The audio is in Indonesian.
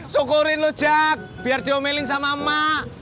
sokurin lo jack biar diomelin sama emak